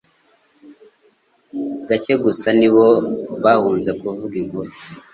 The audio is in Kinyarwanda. Bake gusa ni bo bahunze kuvuga inkuru.